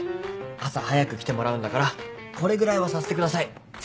朝早く来てもらうんだからこれぐらいはさせてください。